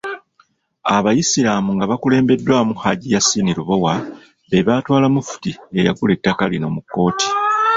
Abayisiraamu nga bakulembeddwamu Hajji Yasin Lubowa be baatwala Mufti eyagula ettaka lino mu kkooti .